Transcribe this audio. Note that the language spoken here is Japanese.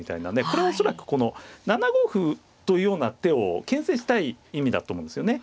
これは恐らくこの７五歩というような手をけん制したい意味だと思うんですよね。